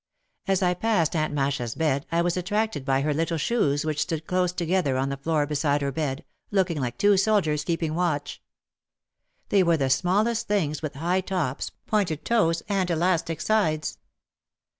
As I passed Aunt Masha's bed I was attracted by her little shoes which stood close together on the floor be side her bed, looking like two soldiers keeping watch. They were the smallest things with high tops, pointed toes and elastic sides.